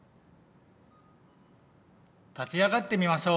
立ち上がってみましょう！